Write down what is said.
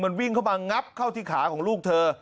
มันวิ่งเข้ามางับเข้าที่ขาของลูกเธอ